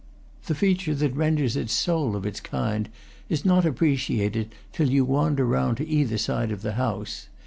The feature that renders it sole of its kind is not ap preciated till you wander round to either side of the house.